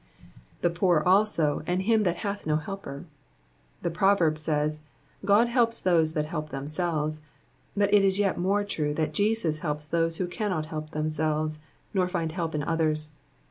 '^ The poor also, and him that hath no hdper,'^ The proverb says, God helps those that help themselves ;" but it is yet more true that Jesus helps those who cannot help themselves, nor find help m others.